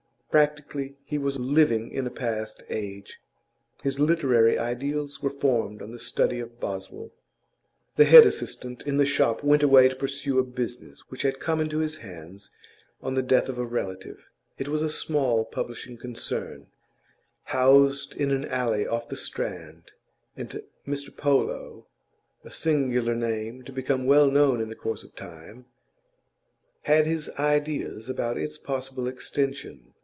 Practically he was living in a past age; his literary ideals were formed on the study of Boswell. The head assistant in the shop went away to pursue a business which had come into his hands on the death of a relative; it was a small publishing concern, housed in an alley off the Strand, and Mr Polo (a singular name, to become well known in the course of time) had his ideas about its possible extension.